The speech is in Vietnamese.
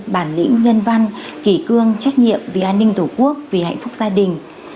bản lĩnh nhân văn kỳ cương trách nhiệm vì an ninh tổ quốc vì hạnh phúc gia đình